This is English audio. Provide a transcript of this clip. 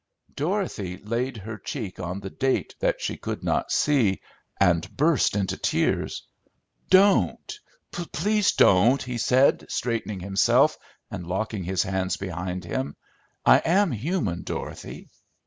Dorothy laid her cheek on the date that she could not see and burst into tears. "Don't, please don't!" he said, straightening himself and locking his hands behind him. "I am human, Dorothy."